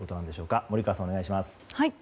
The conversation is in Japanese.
森川さん、お願いします。